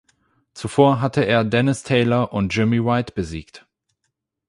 Zuvor hatte er Dennis Taylor und Jimmy White besiegt.